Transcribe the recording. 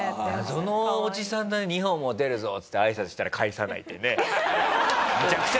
そのおじさんが２本持てるぞっつって挨拶したら返さないってね。